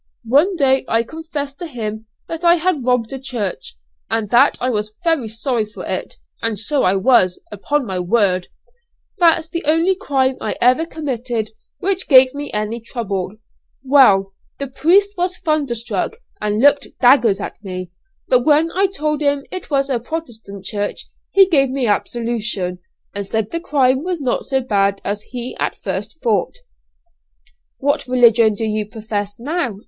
One day I confessed to him that I had robbed a church, and that I was very sorry for it and so I was, upon my word. That's the only crime I ever committed which gave me any trouble. Well, the priest was thunderstruck, and looked daggers at me; but when I told him it was a Protestant church, he gave me absolution, and said the crime was not so bad as he at first thought." Silver plate. Hidden. "What religion do you profess now?"